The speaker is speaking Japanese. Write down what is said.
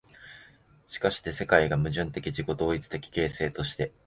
しかして世界が矛盾的自己同一的形成として、